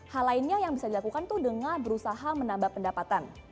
hal lainnya yang bisa dilakukan itu dengan berusaha menambah pendapatan